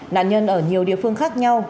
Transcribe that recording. nạn nhân ở nhiều địa phương khác nhau